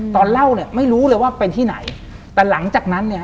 ตอนเล่าเนี่ยไม่รู้เลยว่าเป็นที่ไหนแต่หลังจากนั้นเนี่ย